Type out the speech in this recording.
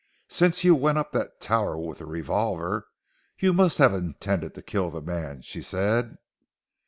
"Since you went up that tower with a revolver, you must have intended to kill the man," she said.